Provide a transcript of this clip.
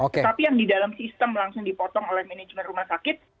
tetapi yang di dalam sistem langsung dipotong oleh manajemen rumah sakit